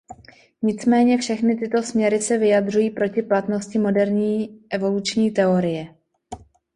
Nicméně všechny tyto směry se vyjadřují proti platnosti moderní evoluční teorie.